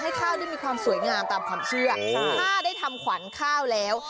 ข้าวได้มีความสวยงามตามความเชื่อถ้าได้ทำขวัญข้าวแล้ว